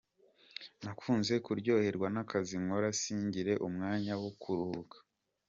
Nakunze kuryoherwa n’akazi nkora singire umwanya wo kuruhuka.